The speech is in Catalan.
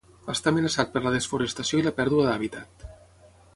Està amenaçat per la desforestació i la pèrdua d'hàbitat.